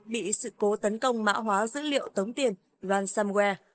bị sự cố tấn công mã hóa dữ liệu tống tiền ransomware